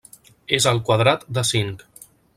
És el quadrat de cinc.